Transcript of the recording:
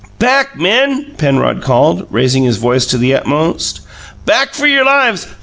"Back, men!" Penrod called, raising his voice to the utmost. "Back for your lives.